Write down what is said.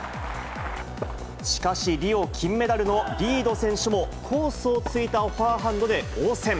しかし、リオ金メダルのリード選手も、コースをついたフォアハンドで応戦。